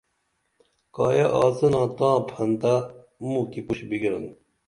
کایہ آڅِنا تاں پھن تہ موں کی پُوش بِگِرن